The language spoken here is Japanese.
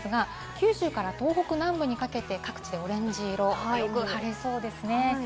九州から東北南部にかけて各地でオレンジ色、よく晴れそうですね。